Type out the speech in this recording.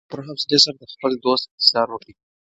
هغه په پوره حوصلي سره د خپل دوست انتظار وکړ.